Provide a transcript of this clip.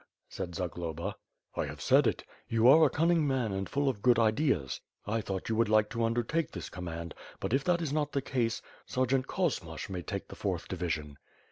said Zagloba. "I have said it. You are a cunning man and full of good ideas. I thought you would like to undertake this command, but if that is not the case. Sergeant Kosmach may take the fourth division."